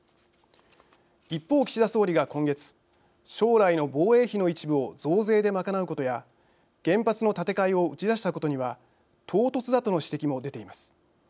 一方、岸田総理が今月将来の防衛費の一部を増税で賄うことや原発の建て替えを打ち出したことには唐突だとの指摘も出ています。